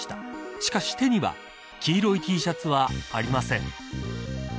しかし、手には黄色いＴシャツはありません。